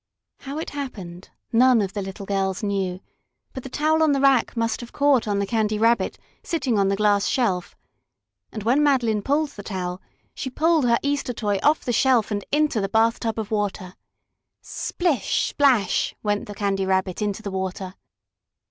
How it happened none of the little girls knew, but the towel on the rack must have caught on the Candy Rabbit, sitting on the glass shelf. And when Madeline pulled the towel she pulled her Easter toy off the shelf and into the bathtub of water. "Splish! Splash!" went the Candy Rabbit into the water.